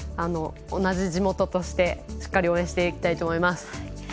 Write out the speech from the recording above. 同じ地元としてしっかり応援していきたいと思います。